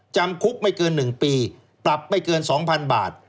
จำคุกไม่เกิน๑ปีปรับไม่เกิน๒๐๐๐บาท